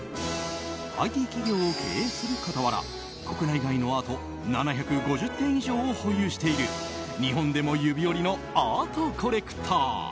ＩＴ企業を経営するかたわら国内外のアート７５０点以上を保有している日本でも指折りのアートコレクター。